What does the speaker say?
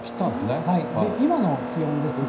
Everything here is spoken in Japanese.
今の気温ですが。